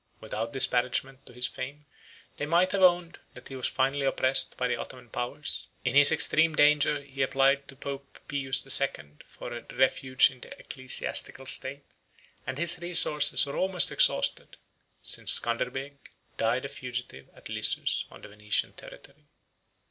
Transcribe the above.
43 Without disparagement to his fame, they might have owned, that he was finally oppressed by the Ottoman powers: in his extreme danger he applied to Pope Pius the Second for a refuge in the ecclesiastical state; and his resources were almost exhausted, since Scanderbeg died a fugitive at Lissus, on the Venetian territory.